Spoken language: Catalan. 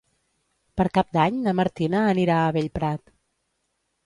Per Cap d'Any na Martina anirà a Bellprat.